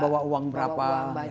bawa uang berapa